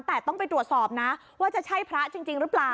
แต่ต้องไปตรวจสอบนะว่าจะใช่พระจริงหรือเปล่า